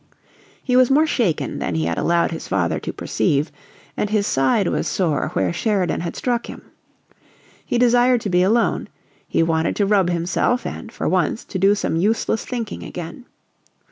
He was more shaken than he had allowed his father to perceive, and his side was sore where Sheridan had struck him. He desired to be alone; he wanted to rub himself and, for once, to do some useless thinking again.